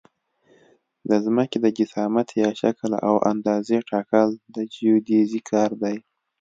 د ځمکې د جسامت یا شکل او اندازې ټاکل د جیودیزي کار دی